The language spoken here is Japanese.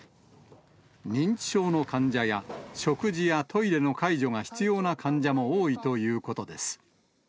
認知症の患者や、食事やトイレの介助が必要な患者も多いということです。